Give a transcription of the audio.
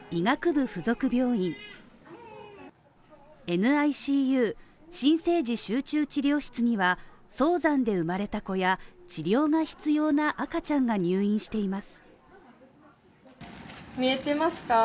ＮＩＣＵ＝新生児集中治療室には早産で生まれた子や治療が必要な赤ちゃんが入院しています。